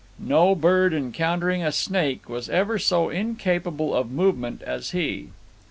No bird, encountering a snake, was ever so incapable of movement as he.